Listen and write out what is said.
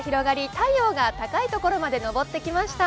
太陽が高いところまで昇ってきました。